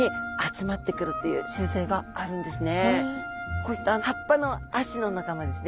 こういった葉っぱのアシの仲間ですね。